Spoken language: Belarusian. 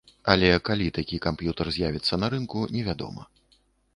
Але калі такі камп'ютар з'явіцца на рынку, невядома.